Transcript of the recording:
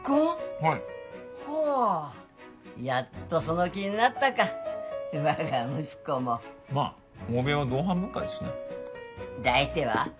はいほうやっとその気になったか我が息子もまあ欧米は同伴文化ですしねで相手は？